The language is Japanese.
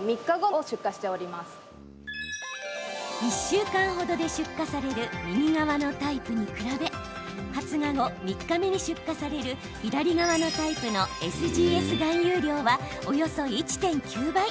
１週間ほどで出荷される右側のタイプに比べ発芽後３日目に出荷される左側のタイプのＳＧＳ含有量はおよそ１．９倍。